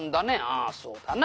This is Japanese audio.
「ああそうだな。